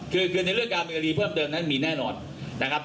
คือในเรื่องการมีคดีเพิ่มเติมนั้นมีแน่นอนนะครับ